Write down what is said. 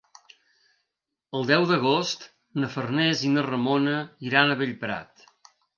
El deu d'agost na Farners i na Ramona iran a Bellprat.